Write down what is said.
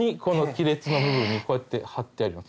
亀裂の部分にこうやって貼ってあります。